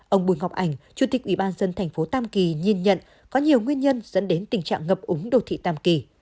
ông bùi ngọc ảnh chủ tịch ủy ban dân thành phố tam kỳ nhìn nhận có nhiều nguyên nhân dẫn đến tình trạng ngập úng đồ thị tam kỳ